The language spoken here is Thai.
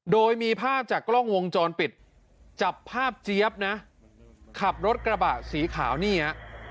โดยมีภาพจากกล้องวงจรปิดจับภาพเจี๊ยบนะขับรถกระบะสีขาวนี่ฮะ